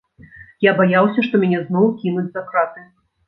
Я баяўся, што мяне зноў кінуць за краты.